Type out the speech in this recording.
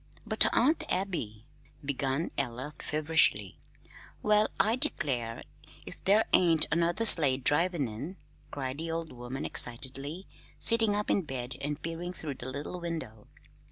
"But, Aunt Abby " began Ella, feverishly. "Well, I declare, if there ain't another sleigh drivin' in," cried the old woman excitedly, sitting up in bed and peering through the little window.